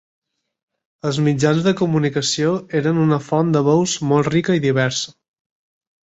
Els mitjans de comunicació eren una font de veus molt rica i diversa.